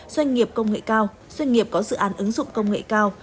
doanh nghiệp công nghệ cao doanh nghiệp có dự án ứng dụng công nghệ cao